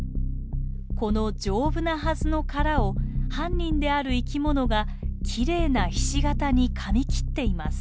この丈夫なはずの殻を犯人である生きものがきれいなひし形にかみ切っています。